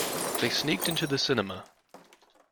They sneaked into the cinema.